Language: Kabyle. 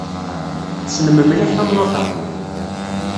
Tessnem mliḥ tamnaḍt-a?